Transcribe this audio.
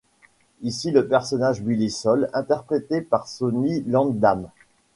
Ici le personnage Billy Sole interprété par Sonny Landham.